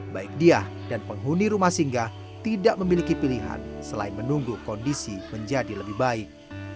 baik dia dan penghuni rumah singgah tidak memiliki pilihan selain menunggu kondisi menjadi lebih baik